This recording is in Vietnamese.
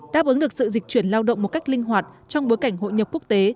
đáp ứng được sự dịch chuyển lao động một cách linh hoạt trong bối cảnh hội nhập quốc tế